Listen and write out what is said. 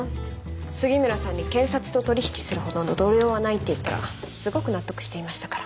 杉村さんに検察と取り引きするほどの度量はないって言ったらすごく納得していましたから。